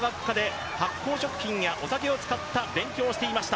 東京農業大学では、発酵食品やお酒を使った勉強をしていました。